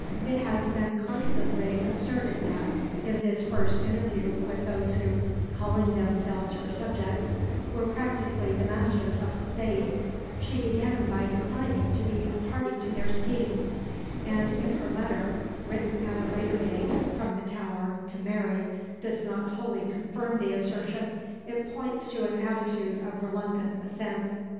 It has been constantly asserted that, in this first interview with those who, calling themselves her subjects, were practically the masters of her fate, she began by declining to be a party to their scheme; and if her letter, written at a later date, from the Tower to Mary, does not wholly confirm the assertion, it points to an attitude of reluctant assent.